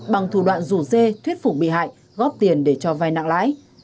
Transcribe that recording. bằng thủ đoạn rủ dê thuyết phục bị hại góp tiền để cho vai nặng lãi